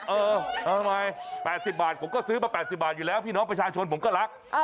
เออทำไม๘๐บาทผมก็ซื้อไป๘๐บาทพี่น้องประชาชนผมก็รัก